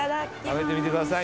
食べてみてください